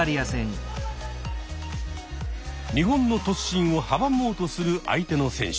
日本の突進を阻もうとする相手の選手。